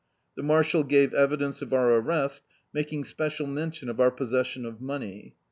The marshal gave evidence of our ar rest, making special mention of our possession of money.